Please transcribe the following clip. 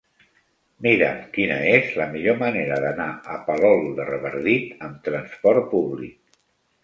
Mira'm quina és la millor manera d'anar a Palol de Revardit amb trasport públic.